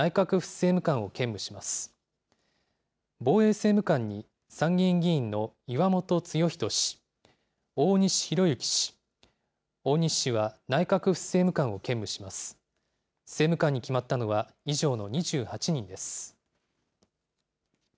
政務官に決まったのは、以上の２８人です。